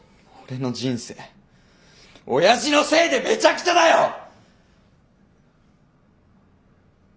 俺の人生親父のせいでめちゃくちゃだよ！